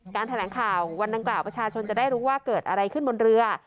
แถลงข่าววันดังกล่าวประชาชนจะได้รู้ว่าเกิดอะไรขึ้นบนเรือ